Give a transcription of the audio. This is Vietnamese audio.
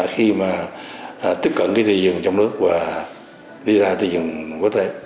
khi mà tiếp cận cái tiêu dùng trong nước và đi ra tiêu dùng quốc tế